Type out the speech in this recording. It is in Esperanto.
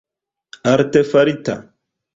artefarita